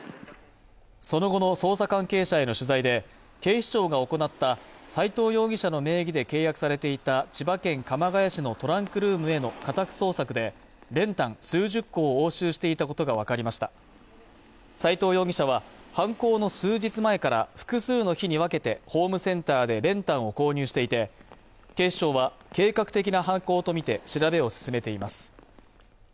その後の捜査関係者への取材で警視庁が行った斉藤容疑者の名義で契約されていた千葉県鎌ケ谷市のトランクルームへの家宅捜索で練炭数十個を押収していたことが分かりました斉藤容疑者は犯行の数時間前から複数の日に分けてホームセンターで練炭を購入していて警視庁は計画的な犯行とみて調べを進めています